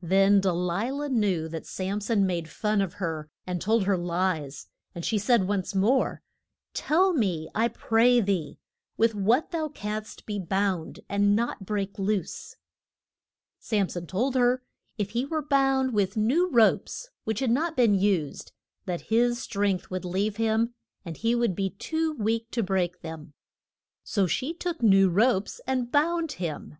Then De li lah knew that Sam son made fun of her and told her lies, and she said once more, Tell me, I pray thee, with what thou canst be bound and not break loose. [Illustration: SAM SON CAR RY ING THE GATES OF GA ZA.] Sam son told her if he were bound with new ropes, which had not been used, that his strength would leave him, and he would be too weak to break them. So she took new ropes and bound him.